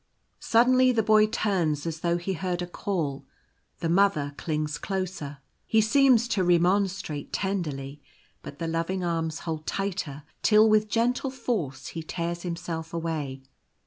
Suddenly the Boy turns as though he heard a call. The Mother clings closer. He seems to remonstrate tenderly; but the loving arms hold tighter, till with gentle force he tears himself away.